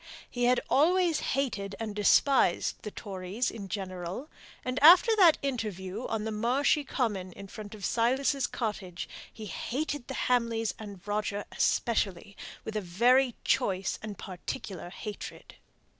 He had always hated and despised the Tories in general; and after that interview on the marshy common in front of Silas's cottage, he hated the Hamleys and Roger especially, with a very choice and particular hatred.